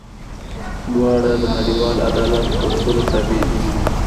دواړه د نړیوال عدالت اصولو تابع دي.